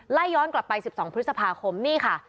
ย้อนกลับไป๑๒พฤษภาคมนี่ค่ะ